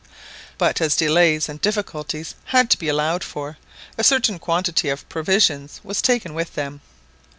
But as delays and difficulties had to be allowed for, a certain quantity of provisions was taken with them.